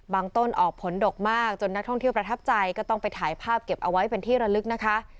ต้นออกผลดกมากจนนักท่องเที่ยวประทับใจก็ต้องไปถ่ายภาพเก็บเอาไว้เป็นที่ระลึกนะคะ